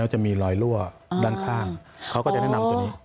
จะมีรอยรั่วด้านข้างเขาก็จะแนะนำตัวนี้